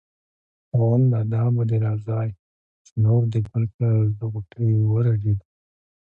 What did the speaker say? خاونده دا به دې رضا وي چې نور دې ګل کړل زه غوټۍ ورژېدمه